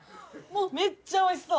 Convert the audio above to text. めっちゃおいしそう！